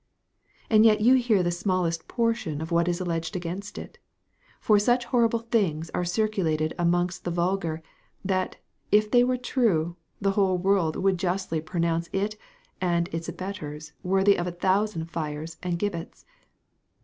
And yet you hear the smallest portion of what is alleged against it; for such horrible things are circulated amongst the vulgar, that, if they were true, the whole world would justly pronounce it and its abettors worthy of a thousand fires and gibbets.